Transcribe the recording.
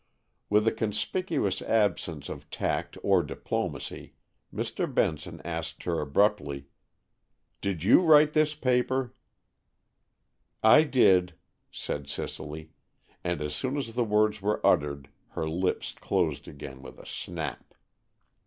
With a conspicuous absence of tact or diplomacy, Mr. Benson asked her abruptly, "Did you write this paper?" "I did," said Cicely, and as soon as the words were uttered her lips closed again with a snap.